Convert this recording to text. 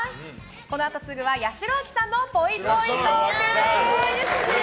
このあとすぐは八代亜紀さんのぽいぽいトークです。